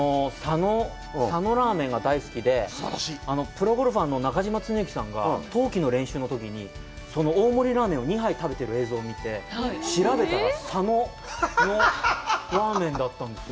佐野ラーメンが大好きで、プロゴルファーの中嶋常幸さんが、冬季の練習のときに大盛りラーメンを２杯食べている映像を見て、調べたら佐野のラーメンだったんですよ。